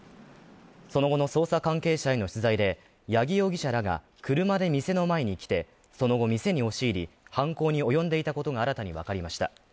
その後の捜査関係者への取材で、八木容疑者らが車で店の前に来て、その後、店に押し入り、犯行に及んでいたことが新たにわかりました。